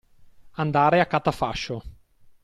Andare a catafascio.